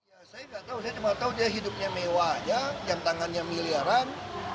saya tidak tahu saya cuma tahu dia hidupnya mewahnya jantangannya miliaran